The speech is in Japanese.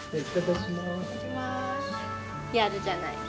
やるじゃない。